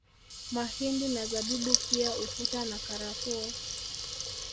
Mahindi na Zabibu pia ufuta na karafuu